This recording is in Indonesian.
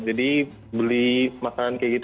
jadi beli makanan kayak gitu